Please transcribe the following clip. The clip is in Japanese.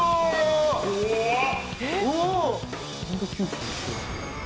怖っ！